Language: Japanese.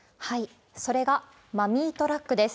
それがマミートラックです。